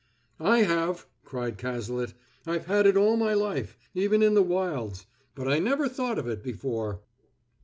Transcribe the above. "I have!" cried Cazalet. "I've had it all my life, even in the wilds; but I never thought of it before."